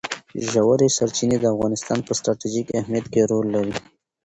ژورې سرچینې د افغانستان په ستراتیژیک اهمیت کې رول لري.